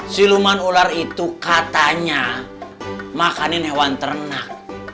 siluman ular itu katanya makanin hewan ternak